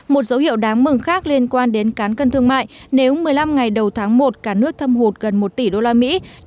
một dấu hiệu đáng mừng khác liên quan đến cán cân thương mại nếu một mươi năm ngày đầu tháng một cả nước thâm hụt gần một tỷ đô la mỹ